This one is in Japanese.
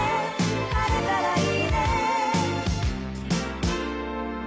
「晴れたらいいね」